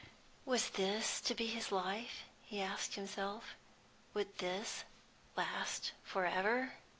Was this to be his life? he asked himself. Would this last for ever?